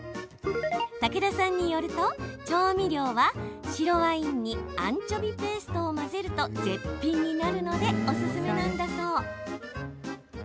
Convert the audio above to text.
たけださんによると、調味料は白ワインにアンチョビペーストを混ぜると絶品になるのでおすすめなんだそう。